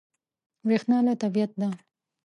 برېښنا له طبیعت ده.